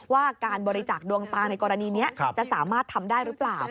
ว่าการบริจาคดวงตาในกรณีนี้จะสามารถทำได้หรือเปล่า